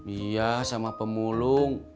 iya sama pemulung